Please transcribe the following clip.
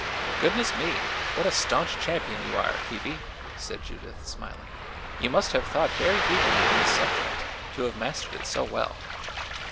"Goodness me! what a staunch champion you are, Phoebe," said Judith, smiling. "You must have thought very deeply on this subject to have mastered it so well."